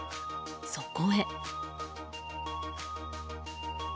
そこへ。